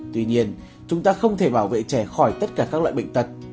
tuy nhiên chúng ta không thể bảo vệ trẻ khỏi tất cả các loại bệnh tật